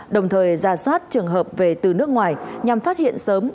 đồng thời ra soát trường hợp về từ nước ngoài nhằm phát hiện sớm